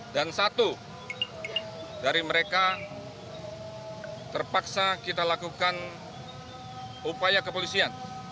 dan satu dari mereka terpaksa kita lakukan upaya kepolisian